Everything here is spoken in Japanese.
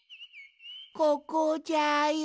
ここじゃよ。